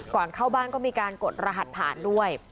ก่อนเข้าบ้านก็มีการกดรหัสผ่านด้วย